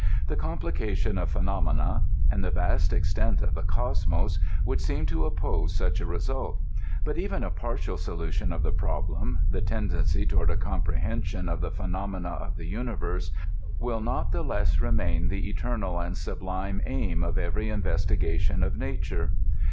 The complica tion of phenomena, and the vast extent of the Cosmos, would seem to oppose such a result ; but even a partial solution of the problem — the tendency toward a comprehension of the phenomena of the universe — ^will not the less remain the eter nal and sublime aim of every investigation of nature.